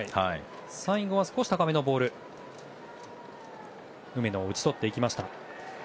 最後は少し高めのボールで梅野を打ち取りました。